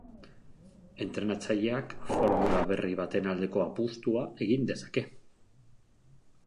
Entrenatzaileak formula berri baten aldeko apustua egin dezake.